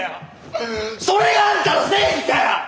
それがあんたの正義かよ！